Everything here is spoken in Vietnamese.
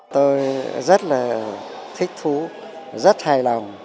tôi rất là thích thú rất hài lòng